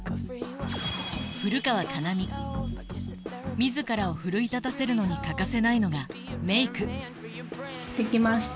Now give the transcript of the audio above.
自らを奮い立たせるのに欠かせないのがメーク。